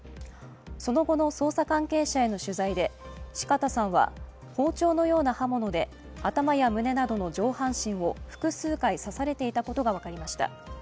その後の捜査関係者への取材で四方さんは包丁のような刃物で頭や胸などの上半身を複数回刺されていたことが分かりました。